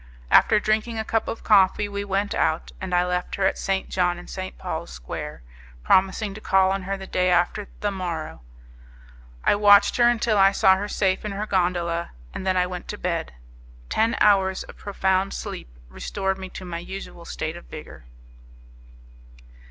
After drinking a cup of coffee we went out, and I left her at St. John and St. Paul's Square, promising to call on her the day after the morrow; I watched her until I saw her safe in her gondola, and I then went to bed. Ten hours of profound sleep restored me to my usual state of vigour.